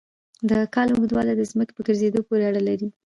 د کال اوږدوالی د ځمکې په ګرځېدو پورې اړه لري.